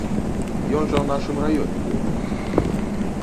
Ён жа ў нашым раёне быў.